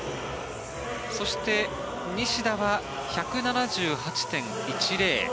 そして西田は１７８．１０。